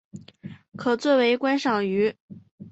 可做为观赏鱼。